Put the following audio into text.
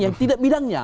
yang tidak bidangnya